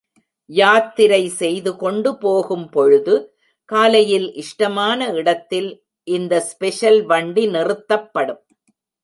யாத்திரை செய்து கொண்டு போகும் பொழுது, காலையில் இஷ்டமான இடத்தில், இந்த ஸ்பெஷல் வண்டி நிறுத்தப்படும்.